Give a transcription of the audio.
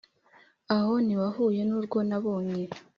Aho niwahuye nurwo nabonye